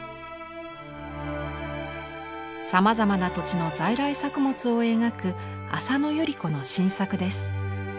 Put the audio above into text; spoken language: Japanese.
さまざまな土地の在来作物を描く浅野友理子の新作です。